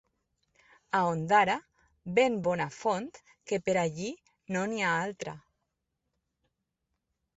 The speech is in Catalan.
A Ondara, ben bona font, que per allí no n’hi ha altra.